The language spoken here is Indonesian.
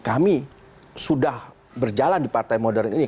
kami sudah berjalan di partai modern ini